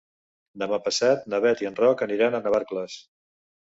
Demà passat na Beth i en Roc aniran a Navarcles.